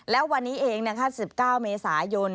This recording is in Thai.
แล้ววันนี้เอง๑๙เมษายน